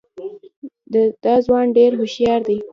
دا ځوان ډېر هوښیار دی.